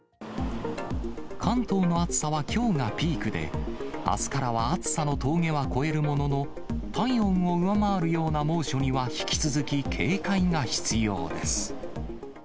関東の暑さはきょうがピークで、あすからは暑さの峠は越えるものの、体温を上回るような猛暑には引き続き、警戒が必要です。